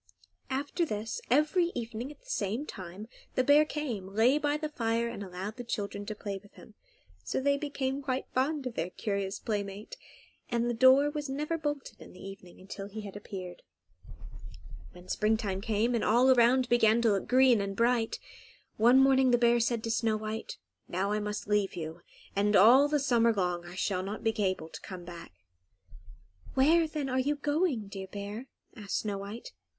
After this, every evening at the same time the bear came, lay by the fire, and allowed the children to play with him; so they became quite fond of their curious playmate, and the door was not ever bolted in the evening until he had appeared. When springtime came, and all around began to look green and bright, one morning the bear said to Snow White, "Now I must leave you, and all the summer long I shall not be able to come back." "Where, then, are you going, dear bear?" asked Snow White.